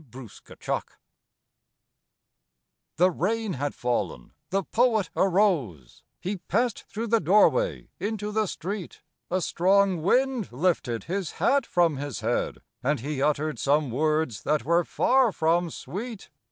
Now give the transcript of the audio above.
THE POET'S HAT The rain had fallen, the Poet arose, He passed through the doorway into the street, A strong wind lifted his hat from his head, And he uttered some words that were far from sweet.